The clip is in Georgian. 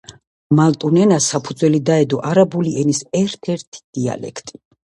მალტურ ენას საფუძვლად დაედო არაბული ენის ერთ-ერთი დიალექტი.